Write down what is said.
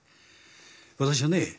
私はね